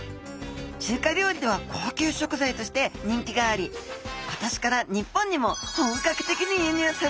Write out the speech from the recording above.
中華料理では高級食材として人気があり今年から日本にも本格的に輸入されるようになりました